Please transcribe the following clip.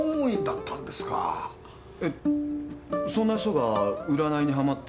えっそんな人が占いにはまって離婚を？